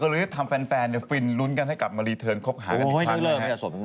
ก็เลยทำแฟนฟินลุ้นกันให้กลับมารีเทิร์นคบหากันอีกครั้งนะครับ